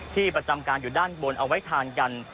ประจำการอยู่ด้านบนเอาไว้ทานกัน